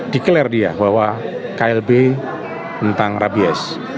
declare dia bahwa klb tentang rabies